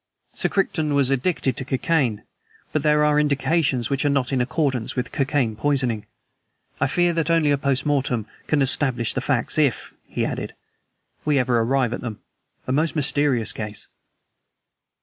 "Sir Crichton was addicted to cocaine, but there are indications which are not in accordance with cocaine poisoning. I fear that only a post mortem can establish the facts if," he added, "we ever arrive at them. A most mysterious case!"